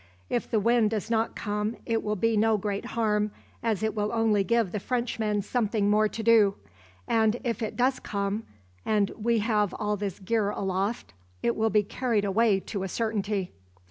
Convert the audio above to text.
If the wind does not come it will be no great harm, as it will only give the Frenchmen something more to do; and if it does come, and we have all this gear aloft, it will be carried away to a certainty."